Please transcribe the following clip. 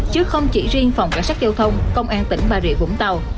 chứ không chỉ riêng phòng cảnh sát giao thông công an tỉnh bà rịa vũng tàu